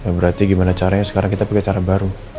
berarti gimana caranya sekarang kita pakai cara baru